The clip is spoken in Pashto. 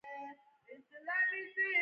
یو چاته سپکاوی کول ښه عادت نه دی